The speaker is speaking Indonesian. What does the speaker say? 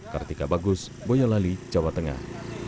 kartika bagus boyolali jawa tengah